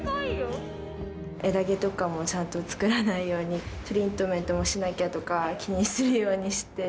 枝毛とかもちゃんと作らないように、トリートメントもしなきゃとか、気にするようにして。